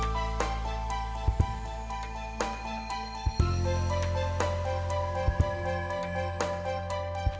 tante disuruh anak kamu jagain kamu